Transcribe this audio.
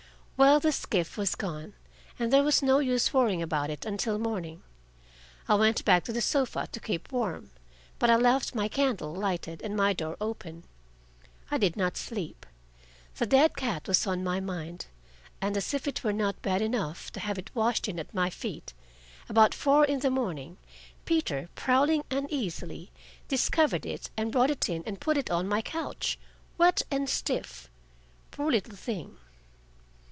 Well, the skiff was gone, and there was no use worrying about it until morning. I went back to the sofa to keep warm, but I left my candle lighted and my door open. I did not sleep: the dead cat was on my mind, and, as if it were not bad enough to have it washed in at my feet, about four in the morning Peter, prowling uneasily, discovered it and brought it in and put it on my couch, wet and stiff, poor little thing!